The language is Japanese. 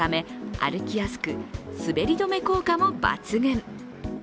歩きやすく滑り止め効果も抜群。